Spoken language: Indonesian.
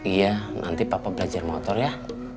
iya nanti papa belajar motor ya